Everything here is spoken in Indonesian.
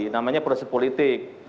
namanya proses politik